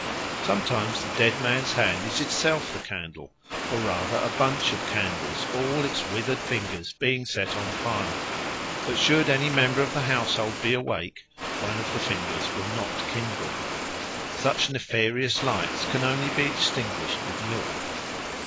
Sometimes the dead man's hand is itself the candle, or rather bunch of candles, all its withered fingers being set on fire; but should any member of the household be awake, one of the fingers will not kindle. Such nefarious lights can only be extinguished with milk.